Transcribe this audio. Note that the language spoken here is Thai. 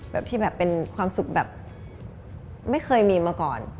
แบบที่แบบเป็นความสุขแบบไม่เคยมีมาก่อน